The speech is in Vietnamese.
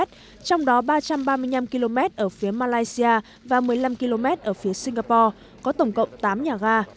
trong đó ba trăm ba mươi năm km ở phía malaysia và một mươi năm km ở phía singapore có tổng cộng tám nhà ga